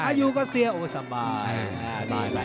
ถ้าอยู่ก็เสียโอ้ยสบาย